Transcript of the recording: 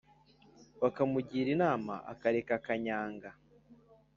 bakamugira inama akareka kanyanga.